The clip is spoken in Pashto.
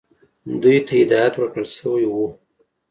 دوی ته هدایت ورکړل شوی وو.